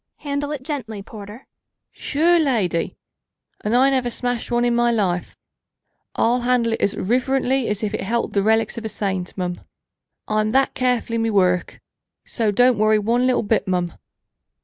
"Handle it gently, porter." "Shure, lady and I never smashed one in me life! I'll handle it as rivirintly as if it held the relics of a saint, mum. I'm that careful in me worruk. So don't worry one little bit, mum."